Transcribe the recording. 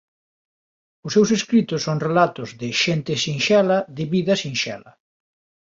Os seus escritos son relatos de xente sinxela de vida sinxela.